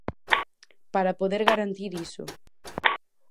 Para poder garantir iso.